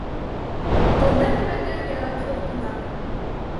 Был бер нәмәгә яраҡһыҙ китап